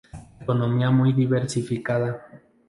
Economía muy diversificada.